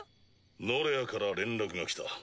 ノレアから連絡が来た。